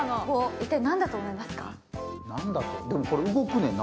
一体、何だと思いますか？